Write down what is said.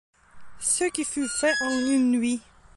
Ce qui fut fait en une nuit.